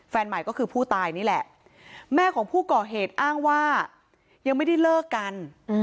แฟนใหม่ก็คือผู้ตายนี่แหละแม่ของผู้ก่อเหตุอ้างว่ายังไม่ได้เลิกกัน